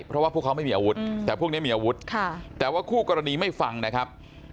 เพราะว่าพวกเขาไม่มีอาวุธแต่พวกนี้มีอาวุธแต่ว่าคู่กรณีไม่ฟังนะครับ